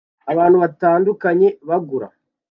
Abantu batandukanye bagura